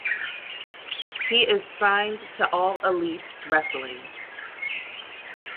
He is signed to All Elite Wrestling.